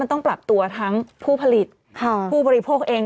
ต้องปรับตัวทั้งผู้ผลิตผู้บริโภคเอง